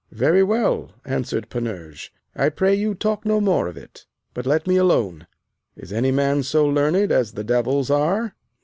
Very well, answered Panurge; I pray you talk no more of it, but let me alone. Is any man so learned as the devils are?